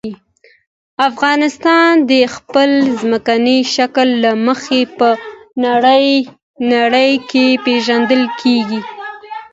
افغانستان د خپل ځمکني شکل له مخې په نړۍ کې پېژندل کېږي.